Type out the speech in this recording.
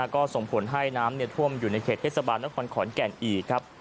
ก็ส่งผลให้น้ำท่วมอยู่ในเขตเทศบาลนครขอนแก่นอีกครับ